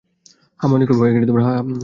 হ্যাঁ, মনে করব।